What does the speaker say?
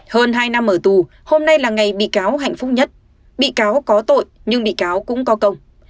hơn hai năm ở tù hôm nay là ngày bị cáo hạnh phúc nhất bị cáo có tội nhưng bị cáo cũng có công